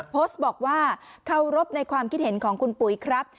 โพสต์บอกว่าเคารพในความคิดเห็นของคุณปุ๋ยครับ